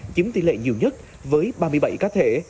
chiếm tỷ lệ nhiều nhất với ba mươi bảy cá thể